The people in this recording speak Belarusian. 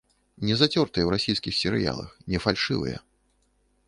Не зацёртыя ў расійскіх серыялах, не фальшывыя.